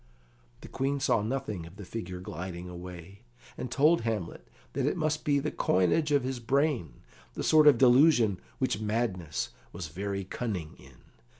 The Queen saw nothing of the figure gliding away, and told Hamlet that it must be the coinage of his brain, the sort of delusion which madness was very cunning in.